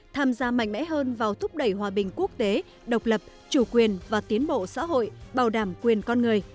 tham gia mạnh mẽ hơn vào thúc đẩy hòa bình quốc tế độc lập chủ quyền và tiến bộ xã hội bảo đảm quyền con người